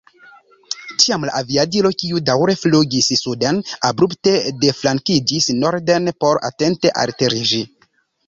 Tiam la aviadilo, kiu daŭre flugis suden, abrupte deflankiĝis norden por atente alteriĝi.